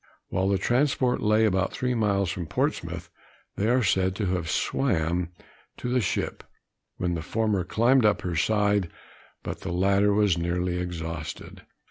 While the transport lay about three miles from Portsmouth, they are said to have swam to the ship, when the former climbed up her side, but the latter was nearly exhausted.